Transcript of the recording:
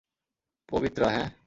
পবিত্রা, হ্যাঁ!